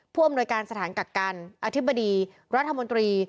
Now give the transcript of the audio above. ผู้อำนวยการสถานกักกันอธิบดีรัฐมนตรี